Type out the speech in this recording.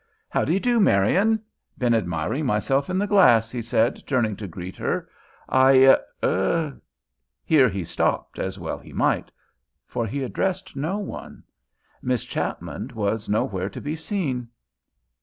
"How do you do, Marian? been admiring myself in the glass," he said, turning to greet her. "I er " Here he stopped, as well he might, for he addressed no one. Miss Chapman was nowhere to be seen.